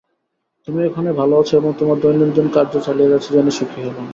তুমি ওখানে ভাল আছ এবং তোমার দৈনন্দিন কার্য চালিয়ে যাচ্ছ জেনে সুখী হলাম।